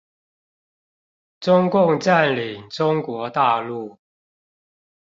中共占領中國大陸